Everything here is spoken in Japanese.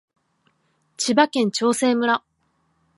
千葉県長生村